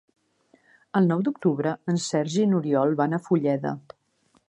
El nou d'octubre en Sergi i n'Oriol van a Fulleda.